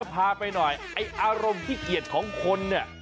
ขอพาไปหน่อยอารมณ์ขี้เกียจของคนน่ะ